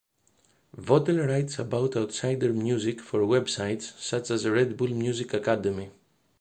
Votel writes about outsider music for websites such as Red Bull Music Academy.